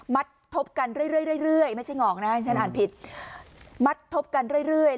ทบกันเรื่อยไม่ใช่งอกนะฉันอ่านผิดมัดทบกันเรื่อย